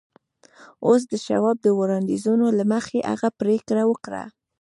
اوس د شواب د وړاندیزونو له مخې هغه پرېکړه وکړه